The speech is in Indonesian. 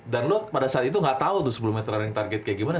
dan lo pada saat itu nggak tau tuh sepuluh meter running target kayak gimana